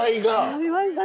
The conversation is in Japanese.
ありましたね。